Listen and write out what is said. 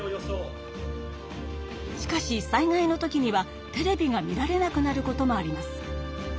しかし災害の時にはテレビが見られなくなることもあります。